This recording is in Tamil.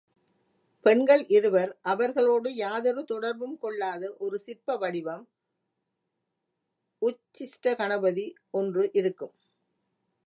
பெண்கள் இருவர், அவர்களோடு யாதொரு தொடர்பும் கொள்ளாத ஒரு சிற்பவடிவம் உச்சிஷ்ட கணபதி ஒன்றும் இருக்கும்.